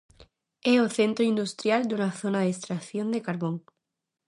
É o centro industrial dunha zona de extracción de carbón.